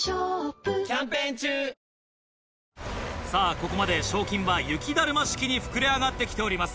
ここまで賞金は雪だるま式に膨れ上がって来ております。